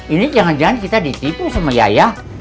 ini jangan jangan kita ditipu sama ayah